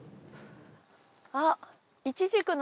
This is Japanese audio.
あっ。